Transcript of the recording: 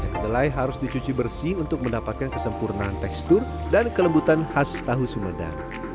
kedelai harus dicuci bersih untuk mendapatkan kesempurnaan tekstur dan kelembutan khas tahu sumedang